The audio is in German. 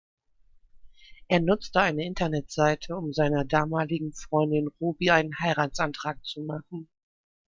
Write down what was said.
Er nutzte eine Internetseite, um seiner damaligen Freundin Ruby einen Heiratsantrag zu machen.